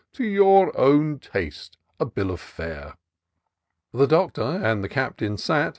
To your own taste, the bill of fere." The Doctor and the Captain sat.